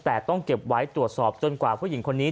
แต่ต้องเก็บไว้ตรวจสอบจนกว่าผู้หญิงคนนี้